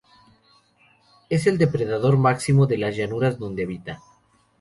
Es el depredador máximo de las llanuras donde habita.